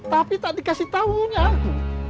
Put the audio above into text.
tapi tak dikasih tahunya aku